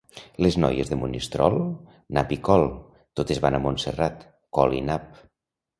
Les noies de Monistrol, nap i col, totes van a Montserrat, col i nap.